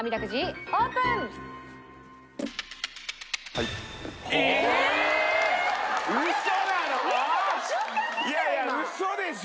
いやいやウソでしょ？